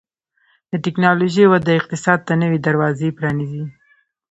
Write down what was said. د ټکنالوژۍ وده اقتصاد ته نوي دروازې پرانیزي.